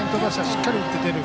しっかり打って出る。